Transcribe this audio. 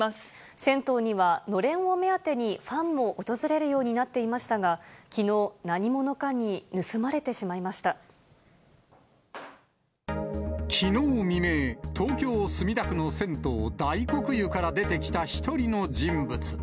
銭湯にはのれんを目当てにファンも訪れるようになっていましたが、きのう、きのう未明、東京・墨田区の銭湯、大黒湯から出てきた１人の人物。